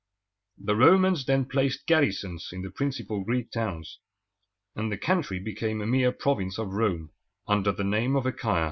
The Romans then placed garrisons in the principal Greek towns, and the country became a mere province of Rome, under the name of Achaia.